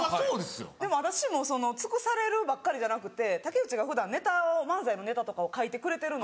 でも私も尽くされるばっかりじゃなくて竹内が普段ネタを漫才のネタとかを書いてくれてるので。